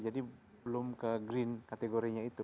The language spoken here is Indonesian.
jadi belum ke green kategorinya itu